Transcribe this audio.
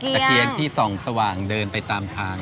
ตะเกียงที่ส่องสว่างเดินไปตามทาง